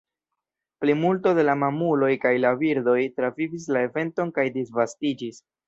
Plimulto de la mamuloj kaj la birdoj travivis la eventon kaj disvastiĝis.